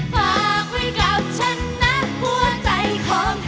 ฝากไว้กับฉันนะหัวใจคน